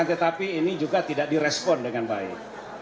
tetapi ini juga tidak direspon dengan baik